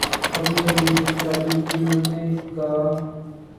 کبھی حبیب جالب کی نظمیں گا۔